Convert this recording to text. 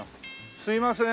すいませーん。